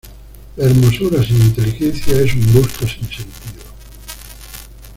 La hermosura sin inteligencia, es un busto sin sentido.